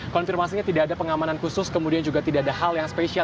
konfirmasinya tidak ada pengamanan khusus kemudian juga tidak ada hal yang spesial